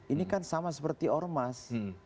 ini kan sama seperti ormas